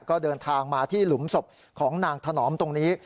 ก็เดินทางมาที่หลุมศพของนางถนอมตรงนี้